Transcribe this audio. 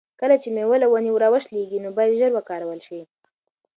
کله چې مېوه له ونې را وشلیږي نو باید ژر وکارول شي.